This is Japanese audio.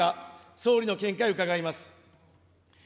総理の見解を伺います。